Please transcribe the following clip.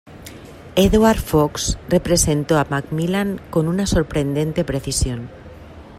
Edward Fox representó a Macmillan con una sorprendente precisión.